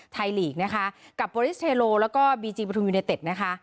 ไทยลีกนะคะกับบอริสเทโลแล้วก็บีจีปฐุมยูเนเต็ดนะคะ